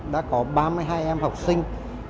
đã có ba mươi hai em học sinh